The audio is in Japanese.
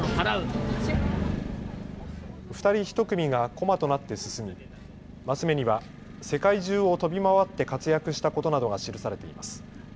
２人１組が駒となって進みマス目には世界中を飛び回って活躍したことなどが記されています。